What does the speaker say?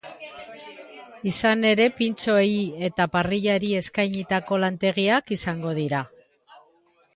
Izan ere, pintxoei eta parrillari eskainitako lantegiak izango dira.